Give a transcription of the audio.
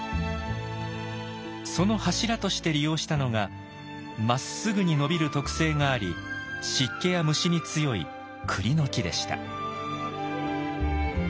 その柱として利用したのがまっすぐに伸びる特性があり湿気や虫に強いクリの木でした。